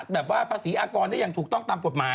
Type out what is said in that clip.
แบบว่าภาษีอากรได้อย่างถูกต้องตามกฎหมาย